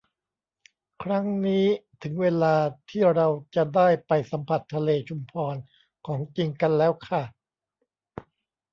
ครั้งนี้ถึงเวลาที่เราจะได้ไปสัมผัสทะเลชุมพรของจริงกันแล้วค่ะ